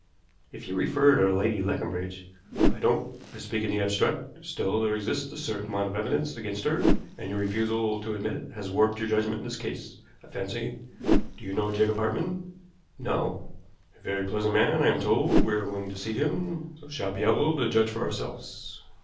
"If you refer to Lady Leconbridge " "I don't. I speak in the abstract. Still, there exists a certain amount of evidence against her, and your refusal to admit it has warped your judgment in this case, I fancy. Do you know Jacob Hartmann?" "No." "A very pleasant man, I am told. We are going to see him, so shall be able to judge for ourselves.